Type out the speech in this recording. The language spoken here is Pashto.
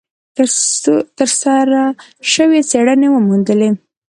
ترسره شوې څېړنې وموندلې،